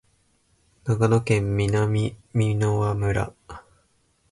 長野県南箕輪村